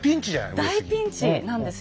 大ピンチなんですよ。